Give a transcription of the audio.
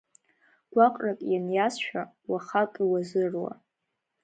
Гәаҟрак ианиазшәа, уахак иуазыруа…